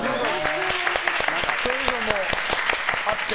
そういうのもあって。